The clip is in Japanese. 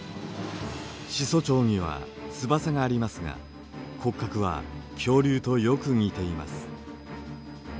始祖鳥には翼がありますが骨格は恐竜とよく似ています。